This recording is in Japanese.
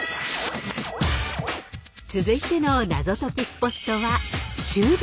続いてのナゾ解きスポットは首里。